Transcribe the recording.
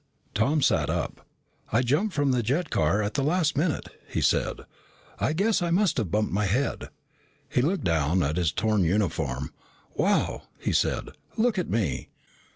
Tom sat up. "I jumped from the jet car at the last minute," he said. "I guess I must have bumped my head." He looked down at his torn uniform. "Wow," he said. "Look at me."